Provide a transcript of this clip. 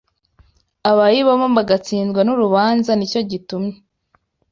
abayibamo bagatsindwa n’urubanza ni cyo gitumye